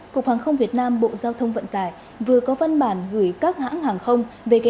cục hàng không việt nam bộ giao thông vận tải vừa có văn bản gửi các hãng hàng không về kế hoạch của quốc hội